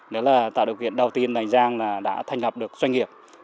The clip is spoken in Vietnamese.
đó là tạo độc viện đầu tiên là anh giang đã thành lập được doanh nghiệp